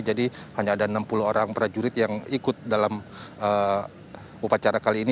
jadi hanya ada enam puluh orang prajurit yang ikut dalam upacara kali ini